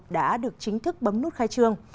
đã được chính thức bấm nút khai trương